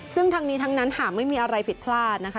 ซึ่งทั้งนี้ทั้งนั้นหากไม่มีอะไรผิดพลาดนะคะ